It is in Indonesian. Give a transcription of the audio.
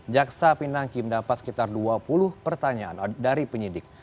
jaksa pinangki mendapat sekitar dua puluh pertanyaan dari penyidik